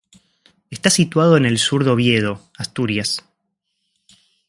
Está situado en el sur de Oviedo, Asturias.